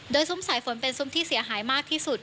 โดยซุ้มสายฝนเป็นซุ้มที่เสียหายมากที่สุด